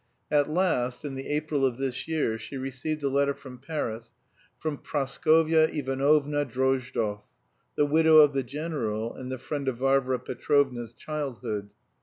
At last, in the April of this year, she received a letter from Paris from Praskovya Ivanovna Drozdov, the widow of the general and the friend of Varvara Petrovna's childhood.